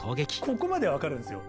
ここまでは分かるんですよ。